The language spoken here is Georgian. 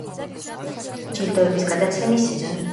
ჯილდოების გადაცემის სეზონი გაიხსნა.